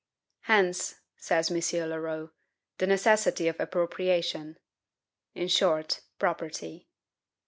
"Hence," says M. Leroux, "the necessity of appropriation;" in short, property.